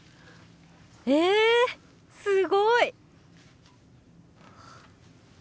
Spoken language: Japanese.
えすごい！